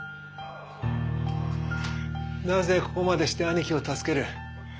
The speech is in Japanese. なぜここまでして兄貴を助ける？